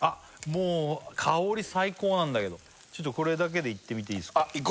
もう香り最高なんだけどこれだけでいってみていいっすかあっい